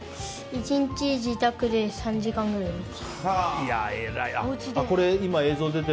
１日、自宅で３時間ぐらいです。